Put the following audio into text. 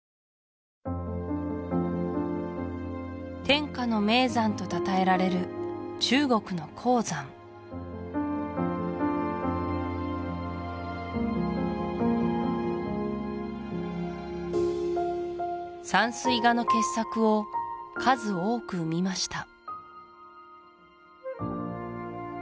天下の名山とたたえられる中国の黄山山水画の傑作を数多く生みました